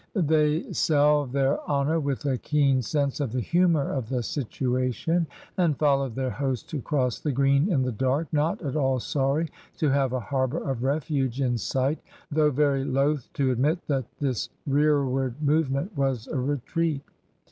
They salved their honour with a keen sense of the humour of the situation, and followed their host across the Green in the dark, not at all sorry to have a harbour of refuge in sight, though very loth to admit that this rearward movement was a retreat.